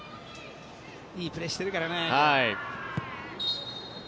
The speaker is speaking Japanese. いいプレーしてるからね。